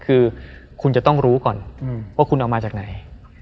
คือคุณจะต้องรู้ก่อนว่าคุณเอามาจากไหน